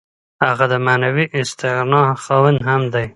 هغه د معنوي استغنا خاوند هم دی.